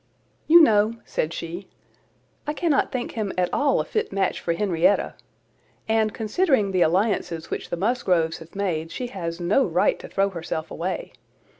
"You know," said she, "I cannot think him at all a fit match for Henrietta; and considering the alliances which the Musgroves have made, she has no right to throw herself away.